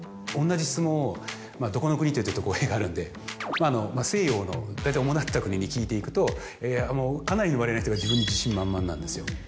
まぁどこの国と言うと語弊があるんで西洋の大体主だった国に聞いていくとかなりの割合の人が自分に自信満々なんですよ。